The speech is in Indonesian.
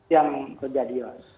yang terjadi mas